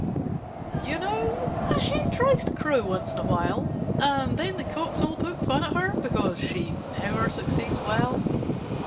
You know a Hen tries to crow once in a while, and then the Cocks all poke fun at her, because she never succeeds well.